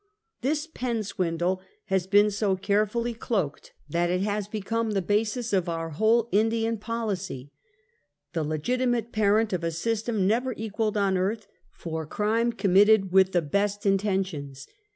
This Penn swindle has been so carefully cloaked 224 Half a Centuet. that it has become the basis of our whole Indian poli cy, the legitimate parent of a system never equalled on earth for crime committed with the best intentions.